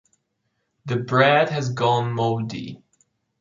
The bread has gone mouldy.